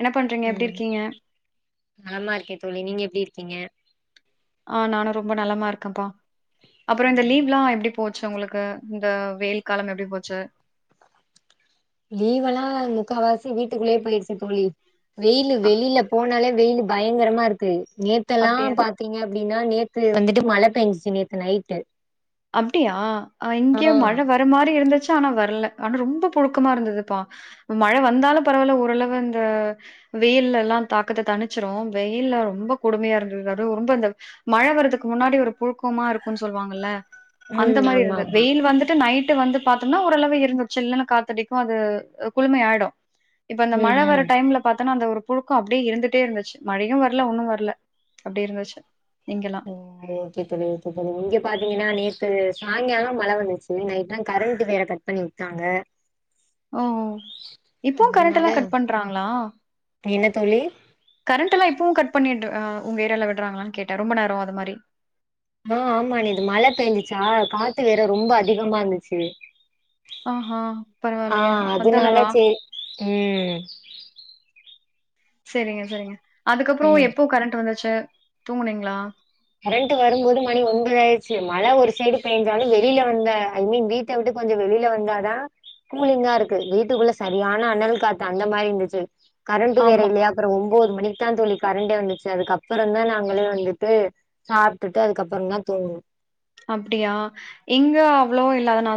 என்ன பண்றீங்க? எப்படி ம் இருக்கீங்க? நல்லா இருக்கே தோழி நீங்க எப்டி இரு க்கிங்க ஆ நானு ரொம்ப நலமா இருக்கப்பா அப்பறோ இந்த ம் லீவ்லா எப்டி போச்சு உங்களுக்கு இந்த வெயில் காலம் எப்டி போச்சு லீவ்வெல்லா முக்காவாசி வீட்டுக்குள்ளயே போயிருச்சு தோழி வெயிலு அ வெளில போனாலே வெயிலு பயங்கரமா இருக்கு நேத்தெல்லா அப்படியா? பாத்திங்க எப்டின்னா நேத்து வந்துட்டு மழ பேஞ்சுச்சு நேத்து நைட்டு அப்டியா அ ஆ இங்க மழ வர மாரி இருந்துச்சு ஆனா வரல ஆனா ரொம்ப புழுக்கமா இருந்ததுப்பா மழ வந்தாலு பரவால ஓரளவு இந்த வெயில்ல எல்லா தாக்கத்த தணிச்சிரு வெயில்ல ரொம்ப கொடுமையா இருந்தது அது ரொம்ப இந்த மழ வர்றதுக்கு முன்னாடி ஒரு புழுக்கமா இருக்குன் சொல்வாங்கல்ல அந்த ம் மாதிரி ஆமா இருந்த ஆமா வெயில் வந்துட்டு நைட் ட்டு வந்து பாத்தோம்னா ஒரளவு இருந்து சில்லனு காத்தடிக்கு அது குளிம ஆயிடு இப்ப இந்த ம் மழ வர ம் டைம்ல பாத் அத அந்த ஒரு புழுக்கு அப்படியே இருந்துட்டே இருந்துச்சு மழயு வரல ஒன்னு வரல அப்டி இருந்துச்சு இங்கெல்லா உம் ஓகே தோழி ஓகே தோழி நீங்க பாத்தீங்கன்னா நேத் சாய்ங்கால மழ வந்துச்சு நைட்லா கரண்ட்டு வேற கட் பண்ணி வுட்டாங்க ஓஹ் இப்பவு அதனால கரண்ட்டுல்லா கட் பண்றாங்களா என்ன தோழி கரண்ட்ல்லா இப்பவு பண்ணிட்டு அஹ் உங்க ஏரியால விடுறாங்களான்னு கேட்டன் ரொம்ப நேர அது மாரி ஆஹ் ஆமா நேத்து மழ பெய்ஞ்சிச்சா காத்து வேற ரொம்ப அதிகமா இருந்துச்சு ஆஹா பரவாயில்லயே ஆஹ் அந்த அதனால அளவா செரி உம் செரிங்க செரிங்க அதுக்கப்புறோ ம் எப்போ கரண்ட்டு வந்துச் ச்சு தூங்குனீங்ளா கரண்ட்டு வரும்போது மணி ஒன்பதாயிருச்சு மழ ஒரு சைடு பெய்ஞ்சாலு வெளியில வந்த ஐ மீன் வீட்டவுட்டு கொஞ்ச வெளியில வந்தாதா கூலிங்கா இருக்கு வீட்டுக்குள்ள சரியான அனல் காத்து அந்த மாரி இருந்துச்சு கரண்ட்டு ஆமா வேற இல்லயா அப்புற ஒம் போது மணிக்கு தா தோழி கரண்டே வந்துச்சு அதுக்கப்றந்தா நாங்களே வந்துட்டு சாப்ட்டுட்டு அதுக்கப்றதா தூங்குனோ அப்டியா?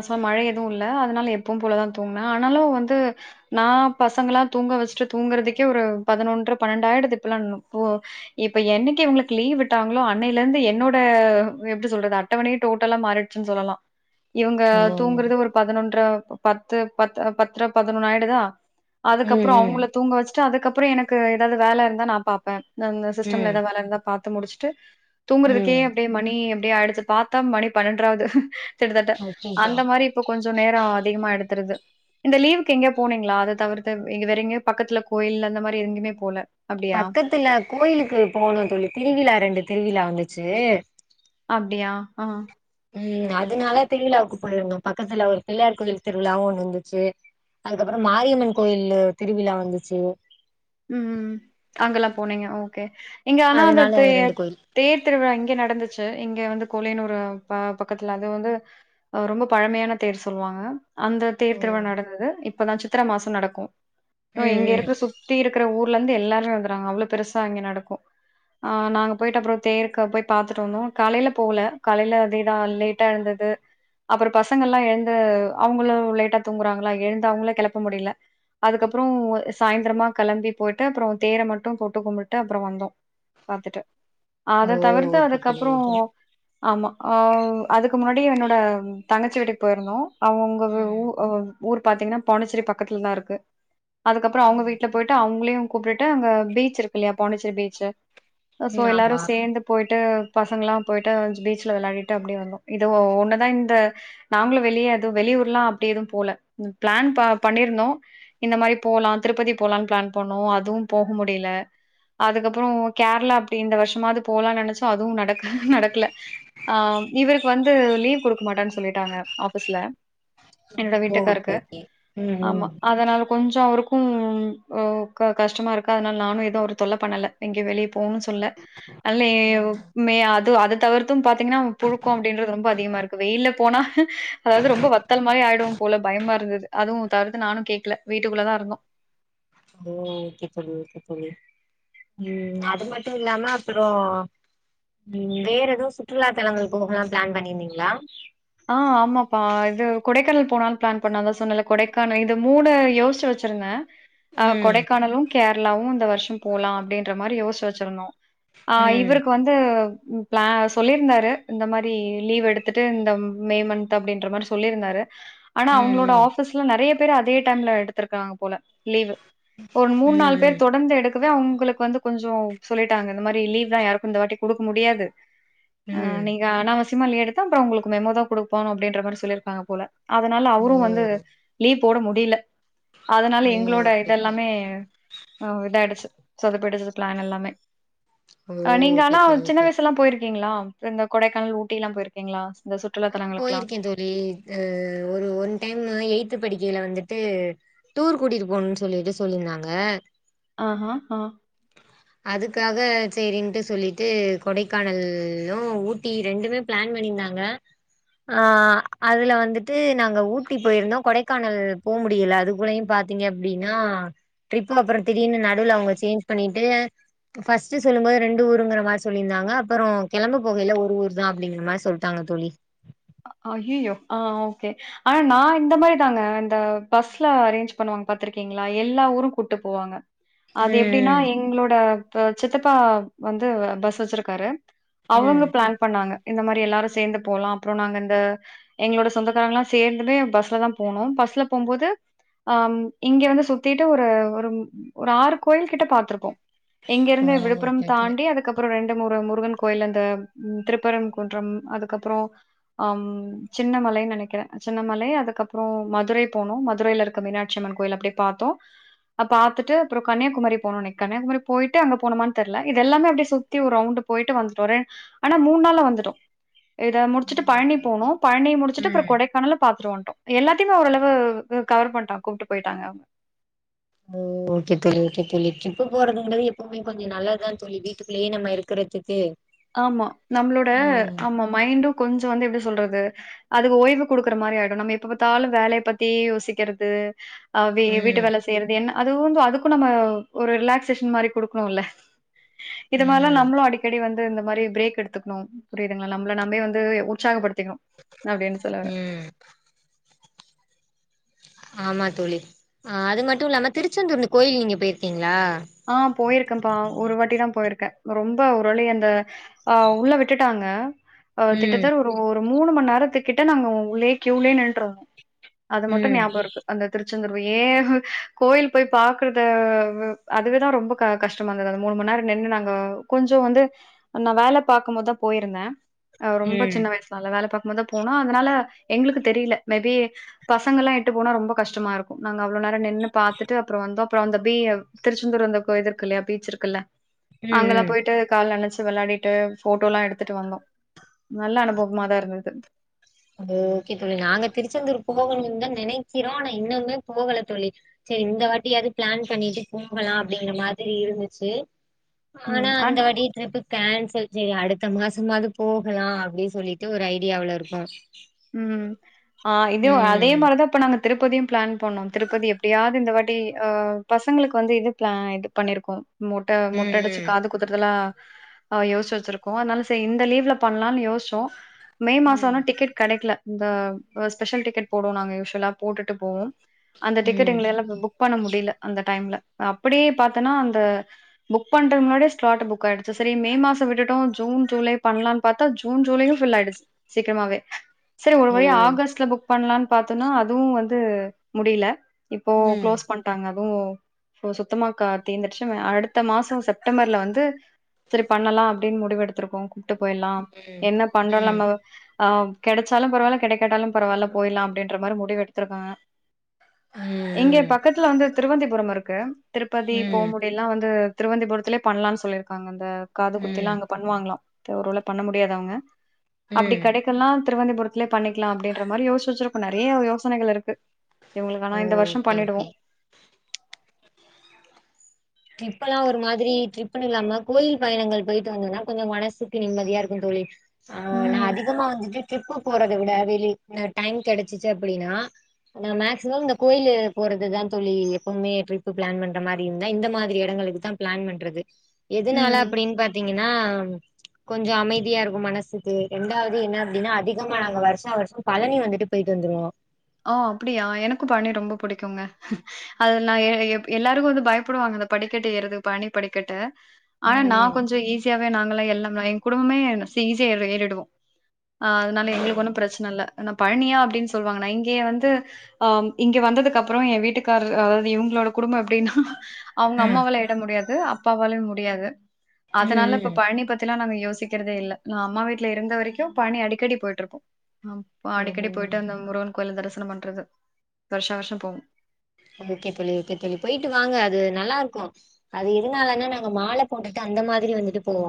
இப்ப மழ எதுவு இல்ல அதுனால எப்பவும் போலதா தூங்குனே ஆனாலு வந்து நா பசங்கலா தூங்க வச்சுட்டு தூங்குறதுக்கே ஒரு பதுனொன்ற பனெண்டாயிடுது இப்பல்லா தூ இப்ப என்னைக்கு இவங்களுக்கு லீவ் விட்டாங்களோ அன்னையில இருந்து என்னோட எப்டி சொல்றது அட் டவணையே டோட்டலா மாறிட்ச்சின் சொல்லலா இவங்க ஓ தூங்குறது ஒரு பதுனொன்ற பத்து பத் பத்ற பதுனொன்னு ஆயிடுதா அதுக்கப்புற ம் ம் அவ்ங்கள தூங்க வச்சுட் டு அதுக்கப்ற எனக்கு ஏதாவது வேலை இருந்தா நா பாப்பே அந்தந்த சிஸ்டம்ல ம் எதா வேல இருந்தா பாத் து முடிச்ட்டு தூங்குறதுக்கே ம் அப்டியே மணி அப்டியே ஆய்டுதுப் பாத்தா மணி பனென்ட்ராவுது கிட்டதட்ட அச்சச்சோ அந்த மாரி இப்ப கொஞ்ச நேர அதிகமாய்டுது த்துறது இந்த லீவுக்கு எங்கேயா போனீங்களா அத தவிர்த்து இங்க வேற எங்க பக்கத்துல கோயில் அந்த மாரி எங்கயுமே போல அப்டியா? பக்கத்துல கோயிலுக்கு போனோந் தோழி திருவிழா ரெண்டு திருவிழா வந்துச்சு அப்டியா ஆஹ் உம் அதனால திருவிழாவுக்கு போயிருந்தோ பக்கத்துல ஒரு பிள்ளயார் கோயில் திருவிழாவு ஒன்னு வந்துச்சி அதுக்கப்புற மாரியம்மன் கோயில் திருவிழா வந்துச்சு உஹ்ம் அங்கல்லா போனீங்க ஓகே இங்க ஆனா அந்த அதனால தே ரெண்டு கோயில் தேர்திருவிழா இங்க நடந்துச்சி இங்க வந்து கோலியனூரு ப பக்கத்துல அது வந்து அ ரொம்ப பழமையான தேர் சொல்லுவாங்க அந்த தேர் திருவிழா ம் நடந்துது இப் இப்பதா சித்திர மாசம் நடக்கு சோ இங்க ம் ம். இருக்குற சுத் திருக்ற ஊர்ல இருந்து எல்லாருமே வந்துருவாங்க அவ்ளோ பெருசா இங்க நடக்கு, ஆ நாங்க போயிட்டு அப்பறோ தேர்க்கு போய் பாத்துட்டு வந்தோ காலைல போவல காலையில அதேதா லேட்டா எழுந்தது அப்றோ பசங்கெல்லா எழுந்து அவங்களு லேட்டா தூங்குறாங்களா எழுந்து அவுங்கள கெளப்ப முடியல அதுக்கப்பறோ சாயந்தரமா கெளம்பி போய்ட்டு அப்பறோ தேர மட்டு தொட்டு கும்புட்டு அப்பறோ வந்தோ பாத்துட்டு ஓ அத தவிர்த்து ஓகே தோழி அதுக்கப்பறோ ஓகே ஆமா அ அதுக்கு முன்னாடி என்னோட தங்கச்சி வீட்டுக்கு போயிருந்தோ அவங்க வி வு ம் அ ஊர் பாத்தீங்னா பாண்டிச்சேரி பக்கத்லதா இருக்கு அதுக்கப்றொ அவ்ங்க ம் வீ அவ்ங்களையு கூப்டுட்டு அங்க பீச் இருக்கு இல்லையா பாண்டிச்சேரி பீச்சு அ சோ ம் எல்லாரு ஆமா சேந்து போய் ட்டு பசங்கல்லா போய்ட்டு பீச்ல வெளாடிட்டு அப்டியே வந்தோ இது ஒன்னுதா இந்த நாங்களு வெளிய எது வெளியூர்லா அப்டி எதும் போல ப்ளான் பா பண்ணிர்ந்தோ இந்த மாரி போலா திருப்பதி போலான் ப்ளான் பண்ணோ அதுவும் போக முடில அதுக்கப்றொ கேர்ளா அப்டி இந்த வர்ஷமாவ்து போலான் நெனச்சோ அதுவு நடக்கு நடக்ல ஆ இவருக்கு வந்து லீவ் குடுக்க மாட்டன் சொல்லிட்டாங்க ஆஃபிஸ்ல என்னோட ஓ ஓகே வீட்டுக்காருக்கு ஓகே ம் ஆமா ம் அதனால கொஞ்சொ அவரு ஓ க கஷ்டமா இருக்கா அத்னால நானு ஏது அவர தொல்ல பண்ணல எங்கியு வெளிய போனு சொல்ல அல்லே ம். மே அது அத தவிர்த்தும் பாத்தீங்கன்னா புழுக்கொ அப்டின்றது ரொம்ப அதிகமா இருக்கு வெயில்ல போனா அதாவ்து ரொம்ப வத்தல் மாரி ஆய்டுவோம் போல பயமா இருந்தது அதுவு தவிர்த்து நானு கேக்ல வீட்டுக்குள்ளதா இருந்தோ ஓ ஓகே தோழி ஓகே தோழி ம் அது மட்டு இல்லாம அப்பறொ ம் வேற எதுவு சுற்றுலா தளங்கள் போகல்லா ப்ளான் பண்ணிருந்தீங்களா ஆ ஆமாப்பா அது கொடைக்கானல் போலான் ப்ளான் பண்ண அதா சொன்னல்ல கொடைக்கானல் இது மூணு யோசிச்சு வச்சிருந்த ஆ ம் கொடைக்கானலு கேரளாவு இந்த வர்ஷம் போலா அப்டின்ற மாரி யோஷ்சி வச் சிர்ந்தோ ஆ ம் இவருக்கு வந்து ம் ப்ளா சொல்லியிருந்தாரு இந்த மாரி லீவ் எடுத்துட்டு இந்தம் மே மன்த்து அப்டின்ற மாரி சொல்லிருந்தாரு அனா அவுங்களோட ம் ஆபீஸ்ல நெறயப் பேர் அதே டைம்ல எடுத்திருக்காங்க போல லீவு ஒரு ம் மூண் நால் ம் பேர் தொடந்து எடு அதா உங்களுக்கு வந்து கொஞ்சோ சொல்லிட்டாங்க இந்த மாரி லீவ்லா யாருக்கு இந்த வாட்டி குடுக்க முடியாது ம் அ ம் நீங்க அனாவ சியமா லீவு எடுத்தா அப்பறோ அவுங்களுக்கு மெமோதா குடுப்போ அப்டின்ற மாரி சொல்லிருக்காங்க போல அதனால ஓ அவரு வந்து லீவ் போட முடில அதனால ஓ எங்களோட ஓகே ஓகே இதெல்லாமே அ இதாயிடுச்சு சொதப்பிடுச்சு பிளான் எல்லாமே ஓ அ நீங்க ஓகே ஆனா தோழி சின்ன ஓகே வயசு எல்லா போயி இருக்கிங்களா இந்த கொடைக்கானல் ஊட்டி எல்லா போயிருக்கீங்களா இந்த சுற்றுலா ஆ தலங்களுக்குலா? போயிருக்கே தோழி அஹ் ஒரு ஒன் டைம் எய்த் படிக்கயில வந்து போயிட்டு டூர் கூட்டிட்டு போணும்னு சொல்லிட்டு சொல்லிருந்தாங்க ஆஹா, ஆ அதுக்காக சேரின்ட்டு சொல்லிட்டு கொடைக்கானல்லு ஊட்டி ரெண்டுமே பிளான் பண்ணிருந்தாங்க ஆஹ் அதுல வந்துட்டு நாங்க ஊட்டி போயிருந்தோ கொடைக்கானல் போ முடியல அதுக்குள்ளயும் பாத்தீங்க அப்படின்னா ட்ரிப்பு அப்புற திடீர்னு நடுவுல அவுங்க சேஞ்ச் பண்ணிட்டு ஃபஸ்ட்டு சொல்லும்போது ரெண்டு ஊருங்கிற மாரி சொல்லிருந்தாங்க அப்புற கெளம்ப போகையில ஒரு ஊர் தா அப்படிங்கிற மாரி சொல்லிட்டாங்க தோழி ஐயயோ ஆஹ் ஓகே ஆனா நா இந்த மாதிரி தாங்க இந்த பஸ்லா அரேஞ்ச் பண்ணுவாங்க பாத்துருக்கீங்களா எல்லா ஊரு கூட்டு போவாங்க அது எப்டின்னா ம் எங்களோட இப்போ சித்தப்பா வந்து பஸ் வச்சிருக்காரு ம் அவுங்க பிளான் பண்ணாங்க இந்த மாரி எல்லாரு சேந்து போலா அப்புற நாங்க இந்த எங்களோட சொந்தக்காரங்கல்லா சேந்துமே பஸ்ல தா போனோம் பஸ்ல போகும்போது அம் இங்க வந்து சுத்திட்டு ஒரு ஒரு ஒரு ஆறு கோயில்கிட்ட பாத்துருப்போ ஆ எங்கிருந்து விழுப்புரம் ஓகே ஓகே தாண்டி அதுக்கப்புற ரெண்டு மூணு முருகன் கோயில் அந்த திருப்பரன்குன்றம் அதுக்கப்புறோ அம் சின்னமலைன்னு நெனைக்கிறே சின்னமலை அதுக்கப்புற மதுரை போனோ மதுரைல இருக்க மீனாட்சிஅம்மன் கோயில் அப்டியே பாத்தோம் பாத்துட்டு அப்புறம் கன்னியாகுமரி போனோ கன்னியாகுமரி போயிட்டு அங்க போனோமானு தெர்ல இது எல்லாமே அப்டியே சுத்தி ஒரு ரவுண்டு் போயிட்டு வந்துட்டோ ஆனா மூணு நாள்ள வந்துட்டோ முடிச்சுட்டு ம் பழனி ஓகே போனோ ஓகே பழனி முடிச்சுட்டு அப்புறோ ம் கொடைக்கானலு பாத்துட்டு வன் ட்டோ எல்லாத்தையுமே ஓரளவு கவர் பண்டோ கூப்ட்டு போயிட்டாங்க அவங்க ஓ ஓகே தோழி ஓகே தோழி ட்ரிப்பு போறதுங்கிறது எப்பவுமே கொஞ்ச நல்லது தா தோழி வீட்டுக்குள்ளேயே நம்ம இருக்குறதுக்கு ஆமா நம்மளோட ஆமா மைண்டு கொஞ்சோ வந்து எப்டி சொல்றது அதுக்கு ஓய்வு குடுக்குற மாரி ஆயிடும் நம்ம எப்ப பாத்தாலு வேலைய பத்தியே யோசிக்கிறது அ வ வீட்டு ம் வேலை செய்றது என்ன அது வந்து அதுக்கு நம்ம ஒரு ரிலாக்சேஷன் மாதிரி குடுக்கணுல்ல இது மாரிலா ம் நம்மளு அடிக்கடி வந்து இந்த மாதிரி பிரேக் எடுத்துக்கணு புரியுதுங்கலா நம்மல நாமே வந்து உற்சாகப்படுத் திக்னு அப்டின்னு சொல்ல வர்ரே ம் ஆமா தோழி ஆஹ் அது மட்டு இல்லாம திருச்செந்தூர் அந்த கோயில் நீங்க போயிருக்கீங்க ஆஹ் போயிருக்கன்ப்பா ஒரு வாட்டிதா போயிருக்கே ரொம்ப ஒருவழியா அந்த அஹ் உள்ள விட்டுட்டாங்க ஆஹ் ம் திட்டத்தர் ஒரு ஓர் மூணு மணி நேரத்துக்கிட்ட நாங்க உள்ளயே க்யூலயே நின்னுட்டு இருந்தோ அது மட்டு ம் ஞாபக இருக்கு அந்த திருச் செந்தூர் ஏ கோயில் போய் பாக்குறத அதுவேதா ரொம்ப க கஷ்டமா இருந்தது அந்த மூணு மணி நேர நின்னு நாங்க கொஞ்சோ வந்து நா வேலை பாக்கும்போதுதா போயிருந்த அவ ரொம்ப ம் சின்ன வயசுலா இல்ல வேலை பாக் கும்போதுதா போனோ அதனால எங்களுக்கு தெரியல மேபி பசங்கல்லா எட்டு போனா ரொம்ப கஷ்டமா இருக்கு நாங்க அவ்ளோ நேர நின்னு பாத்துட்டு அப்புறோ வந்தோ அப்புறோ அந்த பீ திருச்செந்தூர் வந்தக்கூ இது இருக்கு இல்லையா பீச்சு இருக்குல்ல ம் அங்கல்லா ம் போய்ட்டு கால் நனைச்சு வெளையாடிட்டு ஃபோட்டோல்லா எடுத்துட்டு வந்தோ நல்ல அனுபவமாதா இருந்தது அது ஓகே தோழி நாங்க திருச்செந்தூர் போகணும்னு தா நெனைக்கிறோ ஆனா இன்னுமே போகல தோழி செரி இந்த வாட்டியாது பிளான் பண்ணிட்டு போகலா அப்டிங்கிற மாதிரி இருந்துச்சு ஆனா அந்த வாட்டியு ட்ரிப்பு கேன்ஸ் ப்ப செரி அடுத்த மாசமாவ்து போகலா அப்டி சொல்லிட்டு ஒரு ஐடியாவுல இருக்கோ உம் ஆ இதிவு அதே ம் மாரதா இப்ப நாங்கத் திருப்பதியும் பிளான் பண்ணோ திருப்பதி எப்டியாது இந்த வட் டி அ பசங்களுக்கு வந்து இது பிள இது பண்ணிருக்கோ மொட்ட ம் மொட்ட அடுச்சி ம் காது குத்தறதலா அ யோஸ்ச்சு வெச்சிருக்கோ அதனால செய் இந்த லீவ்ல பண்லான்னு யோஸ்சோ மே மாசா ஆனா ம் டிக்கெட் இந்த ப ஸ்பெஷல் டிக்கெட் போடுவோ நாங்க யூஸ்வலா போட்டுட்டு போவோம் அந்த டிக்கெட் ம் எங்கள எல்லா ப் புக் பண்ண முடில அந்த டைம்ல அப்டியே பாத்தனா அந்த புக் பண்ற முன்னாடியே ஸ்லாட்டு புக் ஆயிடுச்சு செரி மே மாசோ விட்டுட்டோ ஜூன் ஜூலை பண்லான் பாத்தா ஜூன் ஜூலையு ஃபுல்லா ஆயிடுச்சி சீக்கிரமாவே செரி ஒரு ஓ வழியா ஆகஸ்ட்ல புக் பண்லான் பாத்தோனா அதுவு வந்து முடில இப்போ ம் குளோஸ் பண்டாங்க [unintelligible] ஒ சுத்தமா கா தீந்திடுச்சு ம அடுத்த மாசோ செப்டம்பர்ல வந்து செரி பண்ணலா அப்டின் முடிவு எடுத்திருக்கோ ட்டு போயிலா ம் என்ன ம் ம் [unintelligible] ஆம் கெடச்சாலும் பரவால கெடைக்காட்டாலும் பரவால்ல போயிர்லா அப்டின்ற மாரி முடிவு எடுத்துருக்காங்க இங்க பக்கத்துல வந்து திருவந்திபுரம் இருக் க ம் திருப்பதி போ ம் முடில்னா வந்து திருவந்திபுரத்திலே பண்லான் சொல்லிருக்காகன் ந்த காது குத்தி எல்லா ம் அங்க பண்ணுவாங்ளா ப ஒரு வேல பண்ண முடியாதவங்க அப்டி ம் கெடைக்கல்னா புரத்திலே பண்ணிக்லா அப்டின்ற மாரி யோசிச்சு வெச்சிருக்கோ நெறைய ஒரு யோசனைகள் இருக்கு இவுங்குளுக்கு ஆனா ஓ இந்த வர்ஷம் ஓகே ஓகே பண்ணிடுவோ ட்ரிப்பெல்லா ஒரு மாதிரி ட்ரிப்னு இல்லாம கோயில் பயணங்கள் போயிட்டு வந்தோனா கொஞ்சோ மனசுக்கு நிம்மதியா இருக்கு தோழி ஆ நா ம். அதிகமா வந்துட்டு ட்ரிப்புப் போறத விட வெளி ந டைம் கெடச்சிச்சு அப்படின்னா நா மேக்ஸிமம் இந்த கோயிலு போறது தா தோழி எப்பவுமே ட்ரிப்பு பிளான் பண்ற மாரி இருந்தா இந்த மா திரி எடங்களுக்கு தா பிளான் பண்றது எதுனால ம். அப்படின் பாத்திங்கன்னா கொஞ்சோ அமைதியா இருக்கு மனசுக்கு ரெண்டாவது என்ன அப்டின்னா அதிகமா நாங்க வர்சா வர்ஷா பழனி வந்துட்டு போயிட்டு வந்துருவோ ஓ அப்படியா எனக்கு பழனி ரொம்ப புடிக்குங்க அதுல்ல நா எ எப் எல்லாருக்கு வந்து பயப்படுவாங்க அந்த படிக்கட்டு ஏறது பழனி படிக்கட்டு அனா நா ம் ம் கொஞ்சோ ஈஸியா ங்குவ நாங்குளா எல்லா மைன் குடும்பமே சி ஈசியா இதுல ஏறிடுவோ ஆ அதுனால ஓ எங்குளுக் ஒன்னு பிரச்சுன்ன இல்ல அனா பழனியா அப்டின் சொல்வாங்க நைன் இதையே வந்து ஆ இங்க வந்ததுக்கு அப்புறோ எ வீட்டுக்காரு அதாவது இவங்குளோட குடும்போ எப்டின்னா அவங்க ம் அம்மாவால எற முடியாது து அப்பாவாலே முடியாது அதனால ம் இப்ப ம் பழனி பத்தில்லா நாங்க யோசிக்குறதே இல்ல நா அம்மா வீட்ல இருந்த வரைக்கு பழநி அடிக்கடி போயிட்ருப்போ ஆ பா அடிக்கடி ஓ போய்ட்டு அந்த முருகன் கோயில்ல தரிசனம் பண்றது வருஷ வருஷோ போவோ ஓகே தோழி ஓகே தோழி போய்ட்டு வாங்க அது நல்லா இருக்கு அது எதுனாலனா நாங்க மால போட்டுட்டு அந்த மாதிரி வந்துட்டு போவோ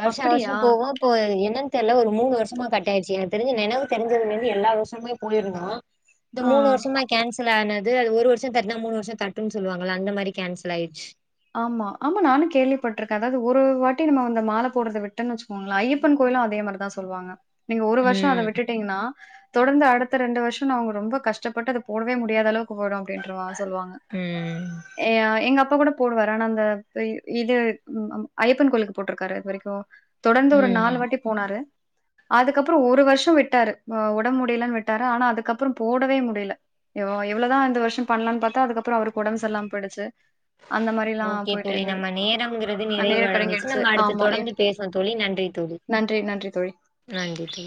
வருஷா வருஷோ அப்படியா? போவோ இப்போ என்னன் தெர்ல ஒரு மூணு வருஷமா கட்டாயிர்ச்சு எனக் தெரிஞ்சு நெனவு தெரிஞ்சதுலந்து எல்லா வருஷமே போயிருந்தோ இந்த ஆ. மூணு வருஷமா கேன்சல் ஆன து அது ஒரு வருஷோ தட்னா மூணு வருஷோ தட்டுன் சொல்லுவாங்கல அந்த மாரி கேன்சல்லாயிச் ஆமா ஆமா நானு கேள்விப்பட்ருக்க அதாது ஒரு வாட்டி நம்ம அந்த மால போட்றத விட்டன் வச்சுக்கோங்கள ஐயப்பன் கோயிலு அதே மாரிதா சொல்லுவாங்க நீங்க ஒரு வருஷோ அத ம் விட்டுட்டீங்னா தொடர்ந்து அடுத்த ரெண்டு வருஷோ நா அவங்க ரொம்ப கஷ்டப்பட்டு அத போடவே முடியாத அளவுக் குஆபோறோ அப்டின்ற மா சொல்லுவாங்க ம் ஏ எங் அப் போடப் போடுவாரு ஆனா அந்த இப் இது ம் ஐயப்பன் கோயிலுக்கு போட்ருக்காரு அது வரிக்கு தொடர்ந்து ஒரு நாலு ம் வாட்டி போனாரு அதுக்கப்பறோ ஒரு வருஷ விட்டாரு ஒடம்பு முடியிலன் விட்டாரு ஆனா அதுக்கப்பற போடவே முடியில எவோ எவ்ளோதா இந்த வருஷம் பண்லான் பாத்தா அதுக்கப்புற அவுருக்கு ஒடம்பு செரில்லாம போயிடுச்சு அந்த மாரிலாம் ஓகே போயிட்டே தோழி இருந்தது. நம்ம நேரம்ங்கிறது அ நிறைவு நேரம் அடைஞ்சிச்சு கடங்கிடுச்சு. நம்ம அடுத்து ஆமா. எ தொடர்ந்து பேசுவோ தோழி நன்றி தோழி நன்றி, நன்றி தோழி. நன்றி தோழி